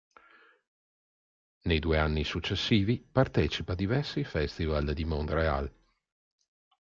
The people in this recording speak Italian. Nei due anni successivi partecipa a diversi festival di Montréal.